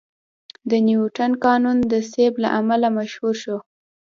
د نیوتن قانون د سیب له امله مشهور شو.